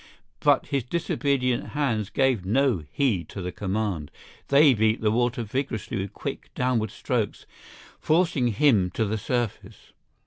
But his disobedient hands gave no heed to the command. They beat the water vigorously with quick, downward strokes, forcing him to the surface.